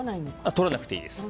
取らなくていいです。